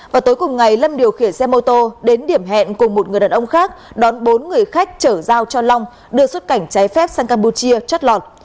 và tối cùng ngày lâm điều khiển xe mô tô đến điểm hẹn cùng một người đàn ông khác đón bốn người khách chở giao cho long đưa xuất cảnh trái phép sang campuchia chất lọt